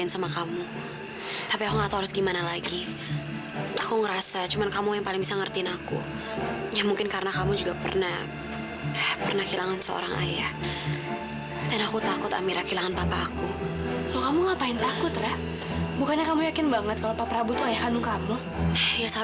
sampai jumpa di video selanjutnya